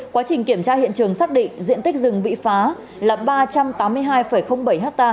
quá trình kiểm tra hiện trường xác định diện tích rừng bị phá là ba trăm tám mươi hai bảy ha